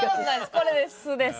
これです